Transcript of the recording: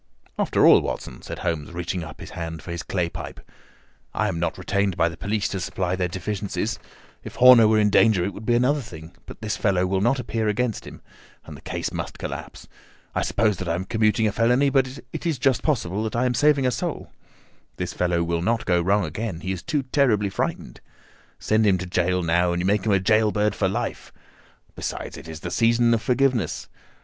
"After all, Watson," said Holmes, reaching up his hand for his clay pipe, "I am not retained by the police to supply their deficiencies. If Horner were in danger it would be another thing; but this fellow will not appear against him, and the case must collapse. I suppose that I am commuting a felony, but it is just possible that I am saving a soul. This fellow will not go wrong again; he is too terribly frightened. Send him to gaol now, and you make him a gaol bird for life. Besides, it is the season of forgiveness.